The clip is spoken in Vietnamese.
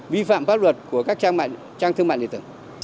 vi phạm pháp luật của các trang thương mạng địa tưởng